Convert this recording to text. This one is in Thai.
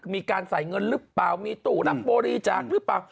มีการใส่เงินหรือเปล่ามีตู้รับบริจาคหรือเปล่า